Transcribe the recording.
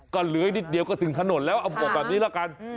ก็เหลือนิดเดียวก็ถึงถนนแล้วเอาบอกแบบนี้ละกัน